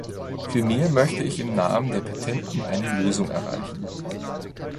Vielmehr möchte ich im Namen der Petenten eine Lösung erreichen.